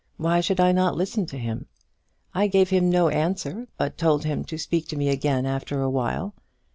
Why should I not listen to him? I gave him no answer, but told him to speak to me again after a while.